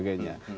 jadi perlu ada